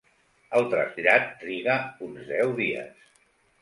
El trasllat triga uns deu dies.